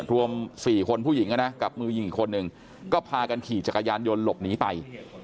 รวม๔คนผู้หญิงกับมือยิงอีกคนนึงก็พากันขี่จักรยานยนต์หลบหนีไป